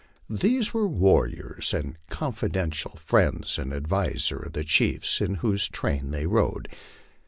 These were warriors and confidential friends and advisers of the chiefs in whose train they rode.